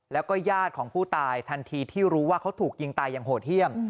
แล้วก็ญาติของผู้ตายทันทีที่รู้ว่าเขาถูกยิงตายอย่างโหดเยี่ยม